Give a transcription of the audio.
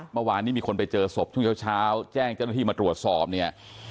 เมื่อวานนี้มีคนไปเจอศพช่วงเช้าแจ้งเจ้าหน้าที่มาตรวจสอบเนี่ย